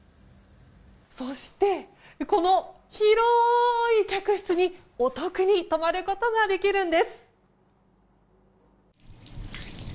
そして、この広い客室に、お得に泊まることができるんです。